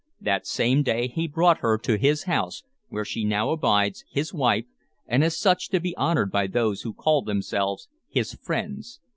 That same day he brought her to his house, where she now abides, his wife, and as such to be honored by those who call themselves his friends.